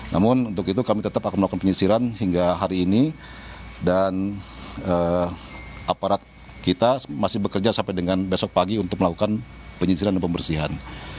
namun untuk itu kami tetap akan melakukan penyisiran hingga hari ini dan aparat kita masih bekerja sampai dengan besok pagi untuk melakukan penyisiran dan pembersihan